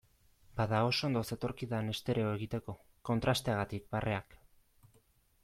Bada oso ondo zetorkidan estereo egiteko, kontrasteagatik barreak.